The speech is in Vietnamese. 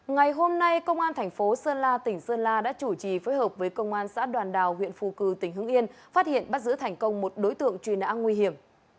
ngày hôm nay công an thành phố sơn la tỉnh sơn la đã chủ trì phối hợp với công an xã đoàn đào huyện phù cử tỉnh hưng yên phát hiện bắt giữ thành công một đối tượng truy nã nguy hiểm